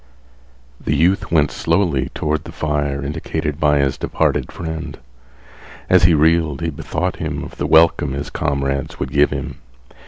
The youth went slowly toward the fire indicated by his departed friend. As he reeled, he bethought him of the welcome his comrades would give him.